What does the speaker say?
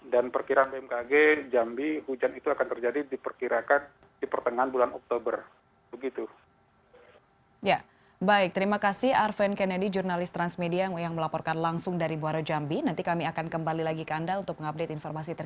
dan perkiraan bmkg jambi hujan itu akan terjadi diperkirakan di pertengahan bulan oktober